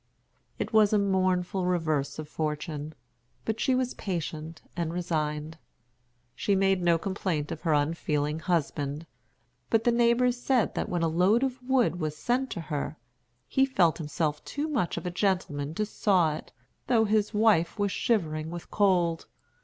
It was a mournful reverse of fortune; but she was patient and resigned. She made no complaint of her unfeeling husband; but the neighbors said that when a load of wood was sent to her, he felt himself too much of a gentleman to saw it, though his wife was shivering with cold.